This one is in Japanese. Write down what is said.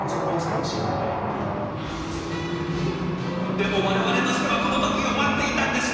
でも我々としてはこの時を待っていたんです！